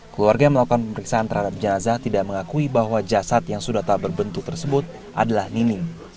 keluarga yang melakukan pemeriksaan terhadap jenazah tidak mengakui bahwa jasad yang sudah tak berbentuk tersebut adalah nining